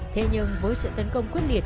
thế nhưng với sự tấn công quyết liệt